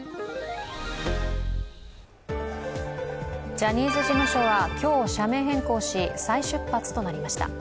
ジャニーズ事務所は今日、社名変更し再出発となりました。